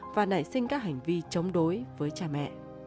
và nảy sinh các hành vi chống đối với cha mẹ